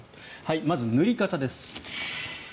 まず、塗り方です。